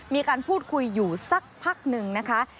มีการพูดคุยอยู่สักพักหนึ่งนะคะ